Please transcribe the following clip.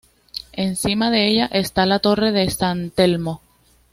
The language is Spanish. Encima de ella está la Torre de San Telmo.